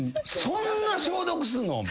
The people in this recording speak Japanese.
そんな消毒すんの？